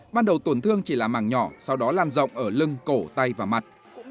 ban đầu tổn thương chỉ là màng nhỏ sau đó lan rộng ở lưng cổ tay và mặt